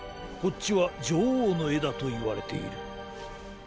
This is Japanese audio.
こっちはじょおうのえだといわれている。